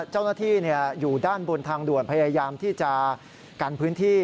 เจ้าหน้าที่อยู่ด้านบนทางด่วนพยายามที่จะกันพื้นที่